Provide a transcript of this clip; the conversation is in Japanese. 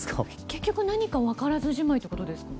結局、何か分からずじまいということですか？